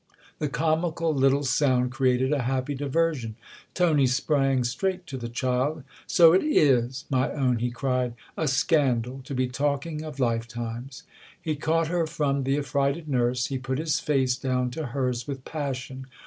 The comical little sound created a happy diversion ; Tony sprang straight to the child. " So it t's, my own," he cried, " a scandal to be talking of 'lifetimes!'" He caught her from the affrighted nurse he put his face down to hers with passion.